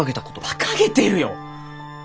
バカげてるよ！